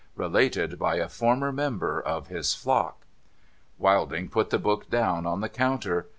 Related by a former member of his flock.' Wilding put the book down on the counter.